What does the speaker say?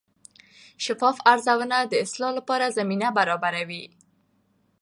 شفاف ارزونه د اصلاح لپاره زمینه برابروي.